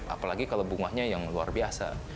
apalagi kalau bunganya yang luar biasa